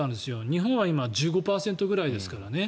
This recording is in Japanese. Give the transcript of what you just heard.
日本は今１５％ぐらいですからね。